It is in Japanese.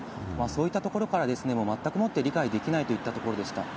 そういったところから、全くもって理解できないといったところでした。